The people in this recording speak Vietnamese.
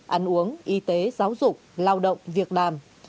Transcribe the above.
ăn uống y tế giáo dục lao động việt nam